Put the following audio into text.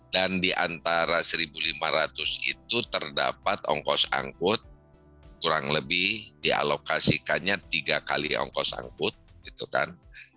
dan di antara satu lima ratus itu terdapat ongkos angkut kurang lebih dialokasikannya tiga kali ongkos angkut gitu kan